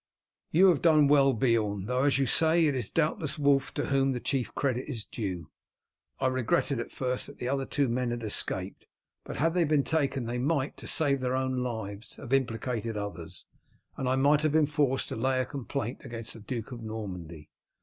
"You have done well, Beorn, though as you say it is doubtless Wulf to whom the chief credit is due. I regretted at first that the other two men had escaped, but had they been taken they might, to save their own lives, have implicated others, and I might have been forced to lay a complaint against the Duke of Normandy.